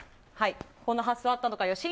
こんな発想あったのか。